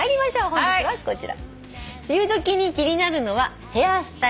本日はこちら。